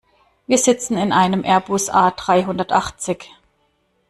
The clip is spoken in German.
Wir sitzen in einem Airbus A-dreihundertachtzig.